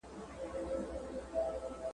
بريالي به را روان وي !.